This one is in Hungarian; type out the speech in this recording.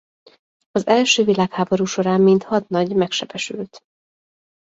Az első világháború során mint hadnagy megsebesült.